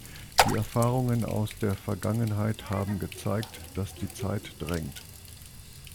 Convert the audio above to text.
Die Erfahrungen aus der Vergangenheit haben gezeigt, dass die Zeit drängt.